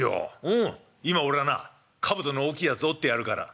うん今俺がなかぶとの大きいやつ折ってやるから」。